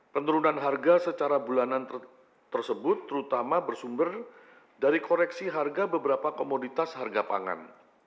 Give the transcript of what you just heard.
penurunan harga secara bulanan tersebut terutama bersumber dari koreksi harga beberapa komoditas harga pangan